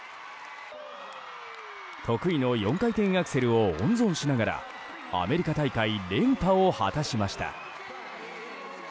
得意の４回転アクセルを温存しながらアメリカ大会連覇を果たしました。